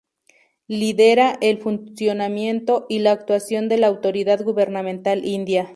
Lidera el funcionamiento y la actuación de la autoridad gubernamental india.